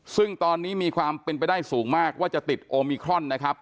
ซึ่งตอนนี้มีความเป็นไปได้สูงมากว่าจะติดโอมิครอนนะครับ